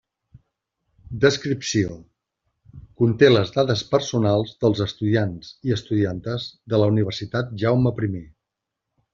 Descripció: conté les dades personals dels estudiants i estudiantes de la Universitat Jaume I.